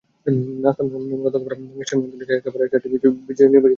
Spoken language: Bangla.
নাশতা, মূল খাবার, মিষ্টান্ন, আঞ্চলিক খাবার—এ চারটি বিভাগে বিজয়ী নির্বাচিত করা হবে।